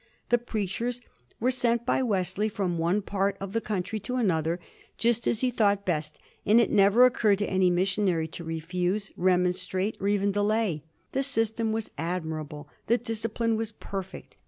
The preachers were sent by Wesley from one part of the country to another, just as he thought best; and it never occurred to any missionary to refuse, remonstrate, or even delay. The system was admirable; the discipline was perfect.